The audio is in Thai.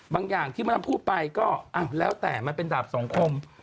บางอย่างที่มันพูดไปก็แล้วแต่มันเป็นดาบส่องคม